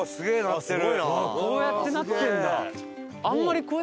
こうやってなってるんだ。